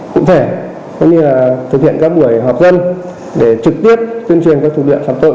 cũng thể có nghĩa là thực hiện các buổi họp dân để trực tiếp tuyên truyền các thủ đoạn phạm tội